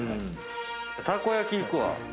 たこ焼きいくわ。